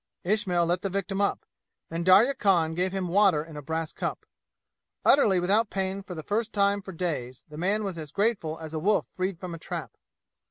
Ismail let the victim up, and Darya Khan gave him water in a brass cup. Utterly without pain for the first time for days, the man was as grateful as a wolf freed from a trap.